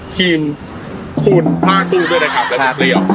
ทีมคุณพากรูด้วยนะครับ